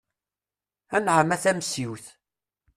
Anɛam a Tamsiwt.